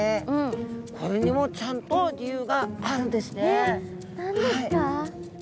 えっ何ですか？